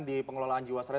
di pengelolaan jiwas raya